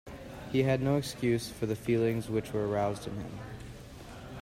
He had no excuse for the feelings which were aroused in him.